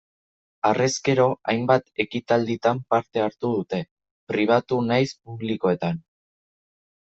Harrezkero, hainbat ekitalditan parte hartu dute, pribatu nahiz publikoetan.